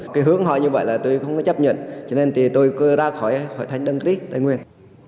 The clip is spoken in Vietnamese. cái hướng hỏi như vậy là tôi không có chấp nhận cho nên thì tôi ra khỏi hội thánh tin lành đấng chris tây nguyên